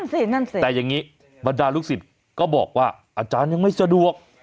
นั่นสิแต่อย่างนี้บรรดาลูกศิษย์ก็บอกว่าอาจารย์ยังไม่สะดวก